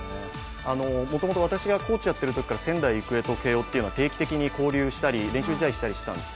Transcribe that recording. もともと私がコーチをやっているときから仙台育英と慶応というのは定期的に交流したり、練習試合したりしたんです。